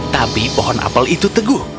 tapi pohon apel itu teguh